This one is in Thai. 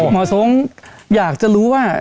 หมอสงค์อยากจะรู้ว่า